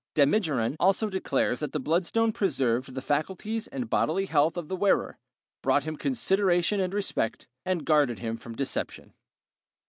Damigeron also declares that the bloodstone preserved the faculties and bodily health of the wearer, brought him consideration and respect, and guarded him from deception.